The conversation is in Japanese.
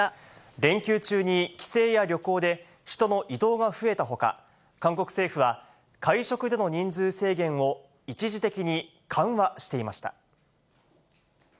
連休中に帰省や旅行で人の移動が増えたほか、韓国政府は、会食での人数制限を一時的に緩和していました。